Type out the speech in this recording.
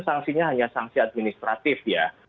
sanksinya hanya sanksi administratif ya